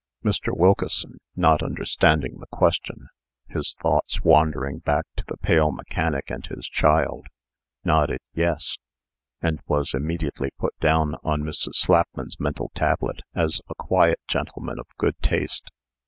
Mr. Wilkeson, not understanding the question (his thoughts wandering back to the pale mechanic and his child), nodded "Yes," and was immediately put down on Mrs. Slapman's mental tablet as a quiet gentleman of good taste.